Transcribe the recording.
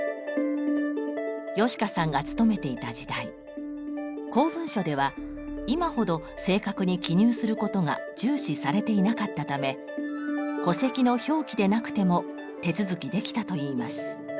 芳香さんが勤めていた時代公文書では今ほど正確に記入することが重視されていなかったため戸籍の表記でなくても手続きできたといいます。